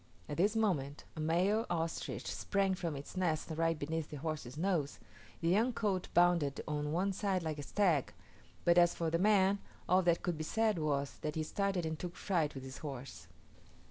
At this moment, a male ostrich sprang from its nest right beneath the horse's nose: the young colt bounded on one side like a stag; but as for the man, all that could be said was, that he started and took fright with his horse.